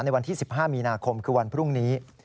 ในวันที่๑๕มีนาคมคือวันพรุ่งนี้